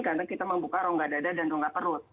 karena kita membuka rongga dada dan rongga perut